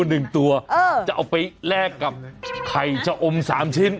ประทู๑ตัวจะเอาไปแลกกับไข่โชอม๓ชิ้น